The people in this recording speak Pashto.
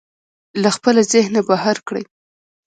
له خپله ذهنه بهر کړئ.